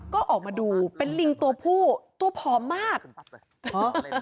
ก็ออกมาดูเป็นลิงตัวผู้ตัวผอมมากฮะ